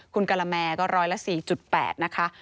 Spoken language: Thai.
คุณกะละแมก็ร้อยละ๔๘นะคะ